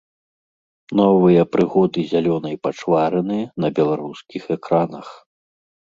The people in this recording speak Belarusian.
Новыя прыгоды зялёнай пачварыны на беларускіх экранах.